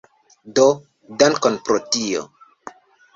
Do, dankon pro tio